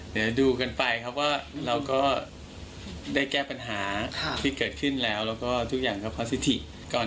เดี๋ยวดูกันไปครับว่าเราก็ได้แก้ปัญหาที่เกิดขึ้นแล้วแล้วก็ทุกอย่างก็เพราะสิทธิก่อน